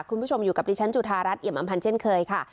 คุณผู้ชมอยู่กับดิฉันจุธารัฐเอี่ยมอำพันธ์เช่นเคยค่ะ